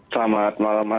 selamat malam mas